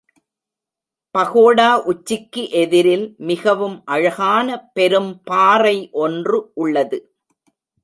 பகோடா உச்சிக்கு எதிரில் மிகவும் அழகான பெரும்பாறை ஒன்று உள்ளது.